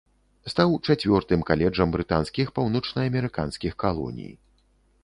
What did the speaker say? Стаў чацвёртым каледжам брытанскіх паўночнаамерыканскіх калоній.